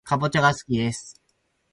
かぼちゃがすきです